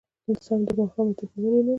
سم د ماښامه تبې ونيومه